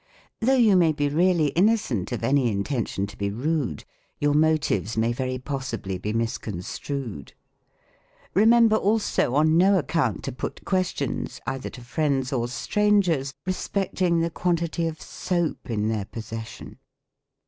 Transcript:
Though you may be real ly innocent of any intention to be rude, your motives may very possibly be misconstrued. Remember also on no account to put questions, either to friends or strangers, respecting the quantity of soap in their pos session.